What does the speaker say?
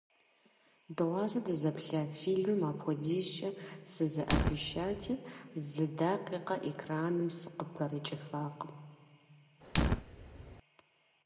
Дыгъуасэ дызэплъа фильмым апхуэдизкӀэ сызэӏэпишати, зы дакъикъэ экраным сыкъыпэрыкӀыфакъым.